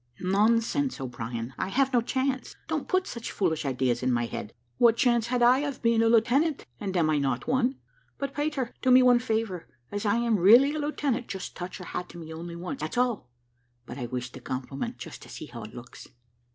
"Nonsense, O'Brien; I have no chance. Don't put such foolish ideas in my head." "What chance had I of being a lieutenant, and am I not one? But, Peter, do me one favour; as I am really a lieutenant, just touch your hat to me only once, that's all: but I wish the compliment, just to see how it looks."